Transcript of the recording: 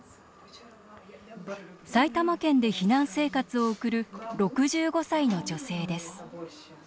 埼玉県で避難生活を送る６５歳の女性です